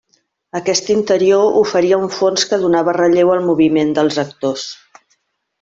Aquest interior oferia un fons que donava relleu al moviment dels actors.